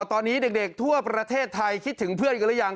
ตอนนี้เด็กทั่วประเทศไทยคิดถึงเพื่อนกันหรือยัง